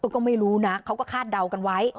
ก็ไม่รู้นะเขาก็คาดเดากันไว้